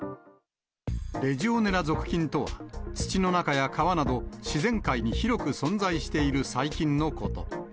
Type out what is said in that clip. レジオネラ属菌とは、土の中や川など、自然界に広く存在している細菌のこと。